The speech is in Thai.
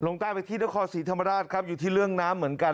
ใต้ไปที่นครศรีธรรมราชครับอยู่ที่เรื่องน้ำเหมือนกัน